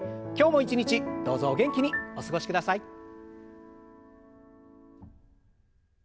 今日も一日どうぞお元気にお過ごしください。